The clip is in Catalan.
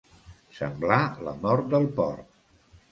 Semblar la mort del porc.